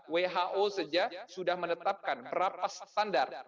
who saja sudah menetapkan berapa standar